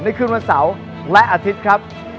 คืนวันเสาร์และอาทิตย์ครับ